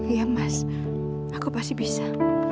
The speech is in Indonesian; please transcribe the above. iya mas aku pasti bisa